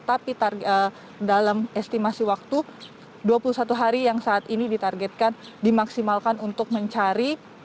tapi dalam estimasi waktu dua puluh satu hari yang saat ini ditargetkan dimaksimalkan untuk mencari